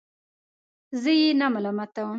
زه یې نه ملامتوم.